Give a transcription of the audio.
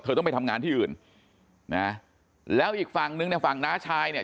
ต้องไปทำงานที่อื่นนะแล้วอีกฝั่งนึงเนี่ยฝั่งน้าชายเนี่ย